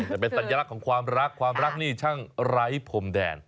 แต่เป็นสัญลักษณ์ของความรักความรักนี่ช่างไร้พรมแดน